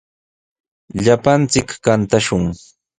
Llapanchik kantashun.